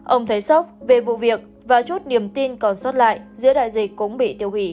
ông thấy sốc về vụ việc và chút niềm tin còn xót lại